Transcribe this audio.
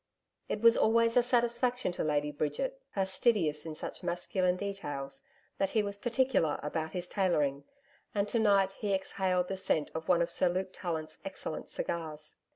It was always a satisfaction to Lady Bridget, fastidious in such masculine details, that he was particular about his tailoring, and tonight he exhaled the scent of one of Sir Luke Tallant's excellent cigars.